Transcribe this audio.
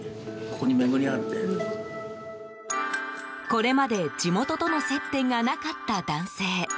これまで、地元との接点がなかった男性。